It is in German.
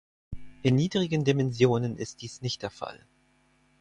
In niedrigen Dimensionen ist dies nicht der Fall.